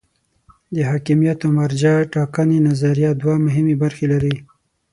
د حاکمیت او مرجع ټاکنې نظریه دوه مهمې برخې لري.